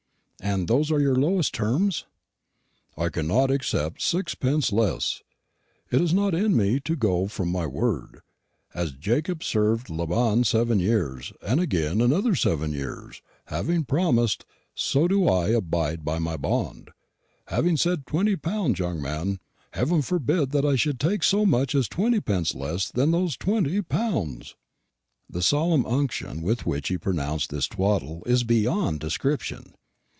"And those are your lowest terms?" "I cannot accept sixpence less. It is not in me to go from my word. As Jacob served Laban seven years, and again another seven years, having promised, so do I abide by my bond. Having said twenty pounds, young man, Heaven forbid that I should take so much as twenty pence less than those twenty pounds!" The solemn unction with which he pronounced this twaddle is beyond description.